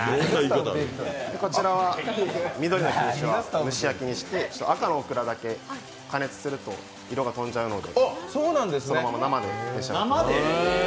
こちらは緑の品種は蒸し焼きにして赤のオクラだけ加熱すると色が飛んじゃうので、そのまま生で召し上がっていただきます。